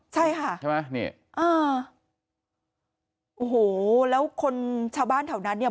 ใช่ค่ะใช่ไหมนี่อ่าโอ้โหแล้วคนชาวบ้านแถวนั้นเนี่ย